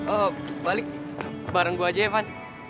oh balik bareng gue aja ya van